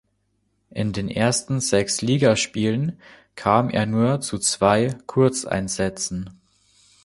In den ersten sechs Ligaspielen kam er nur zu zwei Kurzeinsätzen.